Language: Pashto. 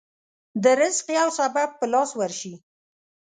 د رزق يو سبب په لاس ورشي.